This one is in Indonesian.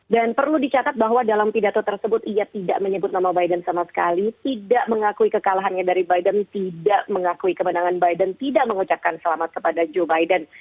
dan perlu dicatat bahwa dalam pidato tersebut ia tidak menyebut nama biden sama sekali tidak mengakui kekalahannya dari biden tidak mengakui kebenangan biden tidak mengucapkan selamat kepada joe biden